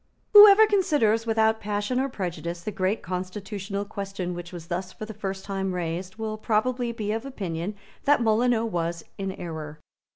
Whoever considers without passion or prejudice the great constitutional question which was thus for the first time raised will probably be of opinion that Molyneux was in error.